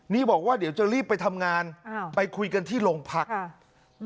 นี่บอกว่าเดี๋ยวจะรีบไปทำงานอ่าไปคุยกันที่โรงพักอ่า